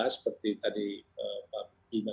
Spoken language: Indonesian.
seperti tadi pak bima